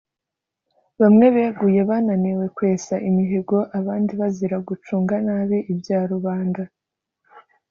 Bamwe beguye bananiwe kwesa imihigo abandi bazira gucunga nabi ibya rubanda